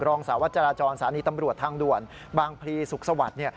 รองสาวจราจรศาลีตำรวจทางด่วนบางภีร์สุขศวรรษ